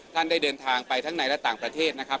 ท่านได้เดินทางไปทั้งในและต่างประเทศนะครับ